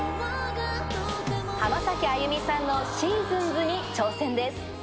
浜崎あゆみさんのＳＥＡＳＯＮＳに挑戦です。